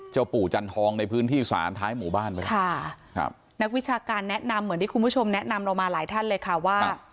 ปู่จันทองในพื้นที่ศาลท้ายหมู่บ้านไปเลยค่ะครับนักวิชาการแนะนำเหมือนที่คุณผู้ชมแนะนำเรามาหลายท่านเลยค่ะว่า